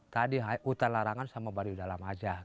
tadi hutan larangan sama baduy dalam saja